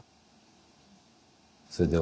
それでは。